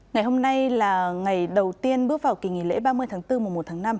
ngày hôm nay là ngày đầu tiên bước vào kỳ nghỉ lễ ba mươi tháng bốn mùa một tháng năm